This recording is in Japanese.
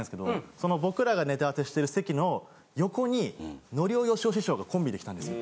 その僕らがネタ合わせしてる席の横にのりお・よしお師匠がコンビで来たんですよ。